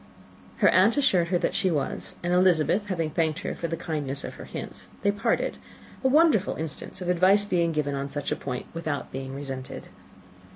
Her aunt assured her that she was; and Elizabeth, having thanked her for the kindness of her hints, they parted, a wonderful instance of advice being given on such a point without being resented.